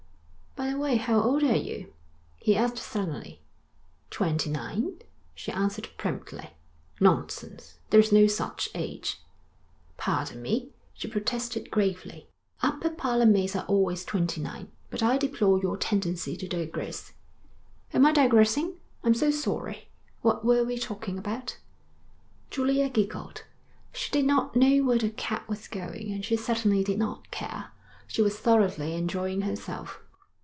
'By the way, how old are you?' he asked suddenly. 'Twenty nine,' she answered promptly. 'Nonsense. There is no such age.' 'Pardon me,' she protested gravely. 'Upper parlour maids are always twenty nine. But I deplore your tendency to digress.' 'Am I digressing? I'm so sorry. What were we talking about?' Julia giggled. She did not know where the cab was going, and she certainly did not care. She was thoroughly enjoying herself.